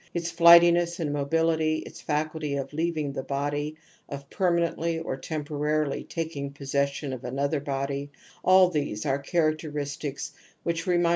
\Its flightiness and mobility^ its faculty of leavmg the body, of permanently or .^ temporarily taking possession of another body,^ all these are characteristics which remind us " Z.